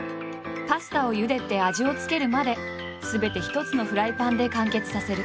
パスタをゆでて味を付けるまですべて一つのフライパンで完結させる。